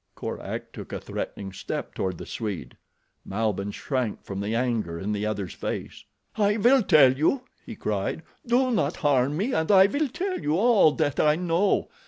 Korak took a threatening step toward the Swede. Malbihn shrank from the anger in the other's face. "I will tell you," he cried. "Do not harm me and I will tell you all that I know.